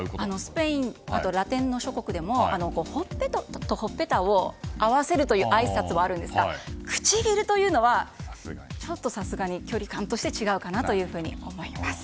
スペイン、ラテンの諸国でもほっぺたとほっぺたを合わせるというあいさつはあるんですが唇というのはちょっとさすがに距離感として違うかなというふうに思います。